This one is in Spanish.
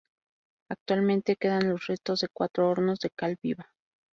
Actualmente quedan los restos de cuatro hornos de cal viva.